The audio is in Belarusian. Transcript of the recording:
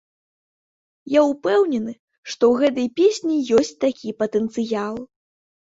Я ўпэўнены, што ў гэтай песні ёсць такі патэнцыял.